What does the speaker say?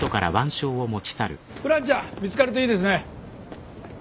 フランちゃん見つかるといいですね。